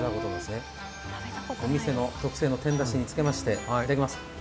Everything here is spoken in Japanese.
お店特製の天だしにつけまして、いただきます。